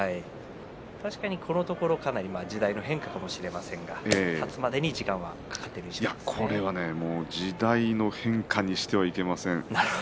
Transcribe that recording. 確かにこのところ時代の変化かもしれませんが立つまでに時間がいや、これは時代の変化にしてはいけません。